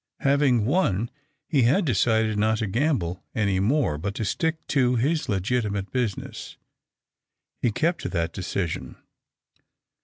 Having won, he had decided not to gamble any more, but to stick to his legitimate business. He kept to that decision.